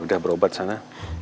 udah berobat sana